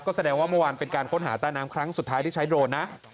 ก็แสดงว่าเมื่อวานเป็นการค้นหาต้าน้ำครั้งสุดท้ายที่ใช้โดรนนะ